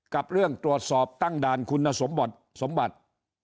กับเรื่องตรวจสอบตั้งด่านคุณสมบัติสมบัติ